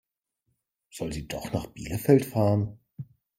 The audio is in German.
Soll sie doch nach Bielefeld fahren?